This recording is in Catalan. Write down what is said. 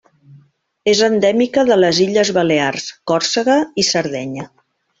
És endèmica de les Illes Balears, Còrsega i Sardenya.